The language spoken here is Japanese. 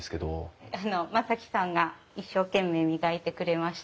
あの真己さんが一生懸命磨いてくれました。